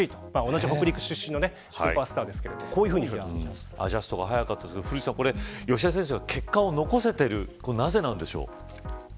同じ北陸出身のスーパースターですけれどもアジャストが早かったですが吉田選手が結果を残しているのはなぜなんですか。